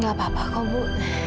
gak apa apa kok bu